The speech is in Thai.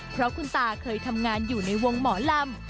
เพราะคุณตาเคยทำงานอยู่ในวงหมอลำ